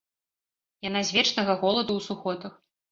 Яна з вечнага голаду ў сухотах.